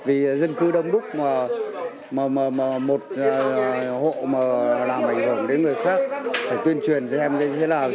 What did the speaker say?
vì dân cư đông đúc mà một hộ làm ảnh hưởng đến người khác phải tuyên truyền xem thế nào